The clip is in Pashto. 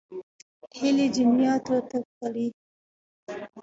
هیلې جنیاتو تړي.